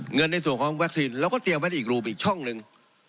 ในส่วนของวัคซีนเราก็เตรียมไว้ในอีกรูปอีกช่องหนึ่ง